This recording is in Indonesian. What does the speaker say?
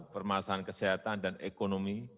permasalahan kesehatan dan ekonomi